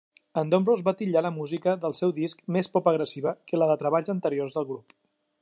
En Domrose va titllar la música del seu disc més "pop-agressiva" que la de treballs anteriors del grup.